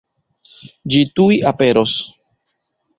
Ĝi tuj aperos.